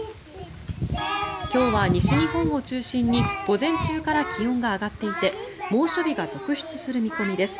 今日は西日本を中心に午前中から気温が上がっていて猛暑日が続出する見込みです。